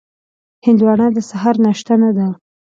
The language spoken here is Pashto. هندوانه د سهار ناشته نه ده.